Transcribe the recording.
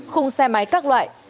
khung xe máy các loại